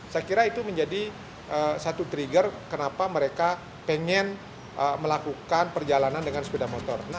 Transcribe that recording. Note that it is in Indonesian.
saya kira itu menjadi satu trigger kenapa mereka pengen melakukan perjalanan dengan sepeda motor